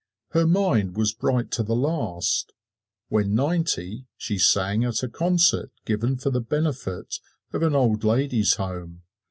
Her mind was bright to the last when ninety she sang at a concert given for the benefit of an old ladies' home.